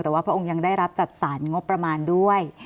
แต่ว่าพระองค์ยังได้รับจัดสรรงบประมาณด้วย